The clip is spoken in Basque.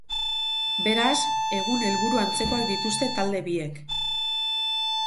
Beraz, egun helburu antzekoak dituzte talde biek.